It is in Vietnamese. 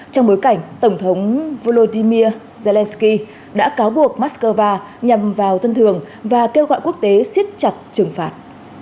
trong bối cảnh tổng thống volodymyr zelensky đã cáo buộc moscow nhằm vào dân thường và kêu gọi quốc tế siết chặt trừng phạt